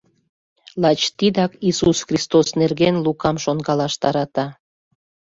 Лач тидак Иисус Христос нерген Лукам шонкалаш тарата.